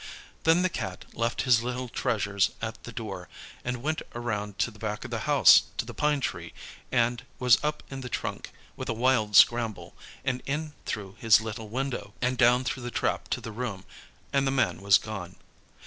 Then the cat left his little treasures at the door, and went around to the back of the house to the pine tree, and was up the trunk with a wild scramble, and in through his little window, and down through the trap to the room, and the man was gone.